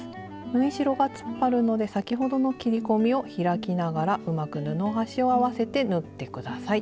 縫い代が突っ張るので先ほどの切り込みを開きながらうまく布端を合わせて縫って下さい。